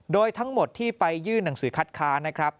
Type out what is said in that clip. โดยทั้งหมดที่ไปยื่นหนังสือคัดค้านนะครับ